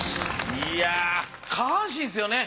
いやぁ下半身ですよね。